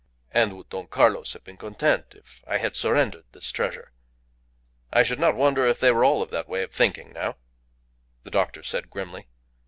"And would Don Carlos have been content if I had surrendered this treasure?" "I should not wonder if they were all of that way of thinking now," the doctor said, grimly.